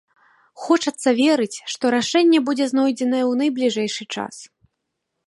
Хочацца верыць, што рашэнне будзе знойдзенае ў найбліжэйшы час.